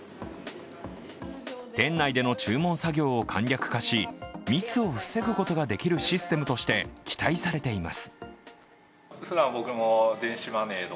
店内での注文作業を簡略化し、密を防ぐことができるシステムとして期待されています。